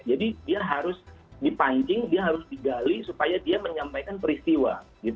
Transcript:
jadi dia harus dipancing dia harus digali supaya dia menyampaikan peristiwa